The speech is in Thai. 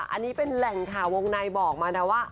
อันนี้เป็นแหล่งข่าววงในบอกมานะว่า